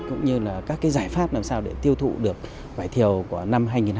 cũng như là các giải pháp làm sao để tiêu thụ được vải thiều của năm hai nghìn hai mươi